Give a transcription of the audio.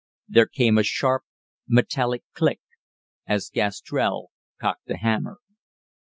There came a sharp, metallic "click," as Gastrell cocked the hammer.